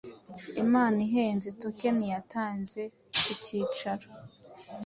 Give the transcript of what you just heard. Impano ihenze-token yatanze ku cyicaro